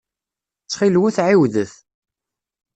Ttxil-wet ɛiwdet.